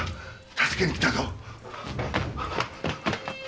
助けに来たぞ！